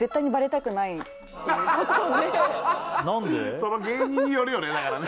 その芸人によるよねだからね。